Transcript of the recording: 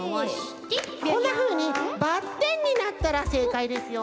こんなふうにバッテンになったらせいかいですよ。